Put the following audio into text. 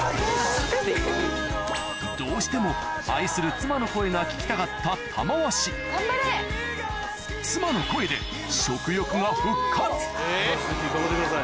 どうしても愛する妻の声が聞きたかった玉鷲妻の声で玉鷲関頑張ってください。